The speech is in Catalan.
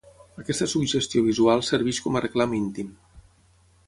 Aquesta suggestió visual serveix com a reclam íntim.